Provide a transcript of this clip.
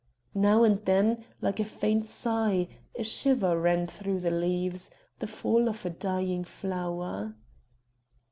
Now and then, like a faint sigh, a shiver ran through the leaves the fall of a dying flower.